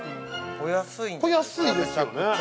◆安いですよね。